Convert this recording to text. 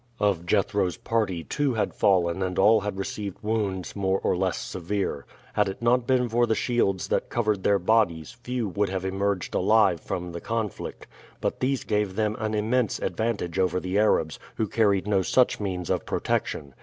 Of Jethro's party two had fallen and all had received wounds more or less severe. Had it not been for the shields that covered their bodies, few would have emerged alive from the conflict; but these gave them an immense advantage over the Arabs, who carried no such means of protection.